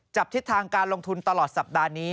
ทิศทางการลงทุนตลอดสัปดาห์นี้